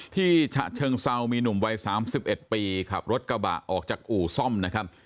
ที่ฉะเชิงเศร้ามีหนุ่มวัยสามสิบเอ็ดปีครับรถกระบะออกจากอู่ซ่อมนะครับ